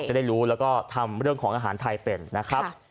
จะได้รู้แล้วก็ทำเรื่องของอาหารไทยเป็นนะครับ